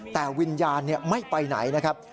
แต่วิญญาณไม่ไปไหนนะครับ